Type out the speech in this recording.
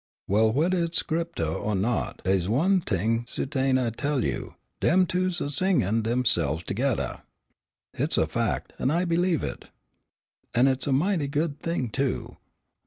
"Well, wheddah hit's Scripter er not, dey's one t'ing su'tain, I tell you, dem two is singin' deyse'ves togeddah." "Hit's a fac', an' I believe it." "An' it's a mighty good thing, too.